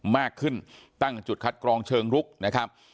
มากขึ้นตั้งจุดคัดกรองเชิงลุกนะครับ